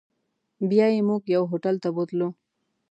بیا یې موږ یو هوټل ته بوتلو.